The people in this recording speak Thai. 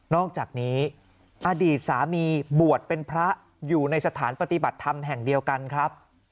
อกจากนี้อดีตสามีบวชเป็นพระอยู่ในสถานปฏิบัติธรรมแห่งเดียวกันครับ